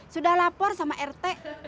sudah lapor sama rt